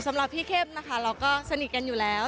สำหรับพี่เข้มนะคะเราก็สนิทกันอยู่แล้ว